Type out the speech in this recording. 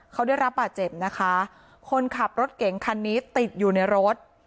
เขาได้รับบาดเจ็บนะคะคนขับรถเก่งคันนี้ติดอยู่ในรถ